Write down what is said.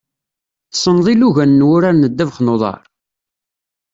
Tessneḍ ilugan n wurar n ddabex n uḍar?